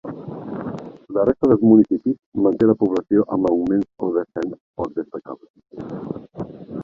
La resta dels municipis manté la població amb augments o descens poc destacables.